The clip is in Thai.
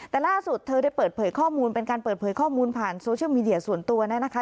แต่ล่าสุดเธอได้เปิดเผยข้อมูลเป็นการเปิดเผยข้อมูลผ่านโซเชียลมีเดียส่วนตัวนะคะ